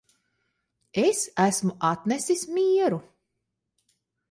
Es esmu atnesis mieru